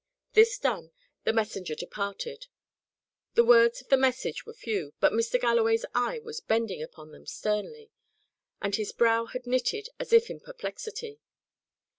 This done, the messenger departed. The words of the message were few, but Mr. Galloway's eye was bending upon them sternly, and his brow had knitted, as if in perplexity.